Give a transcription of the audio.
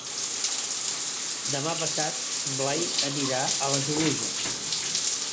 Demà passat en Blai anirà a les Oluges.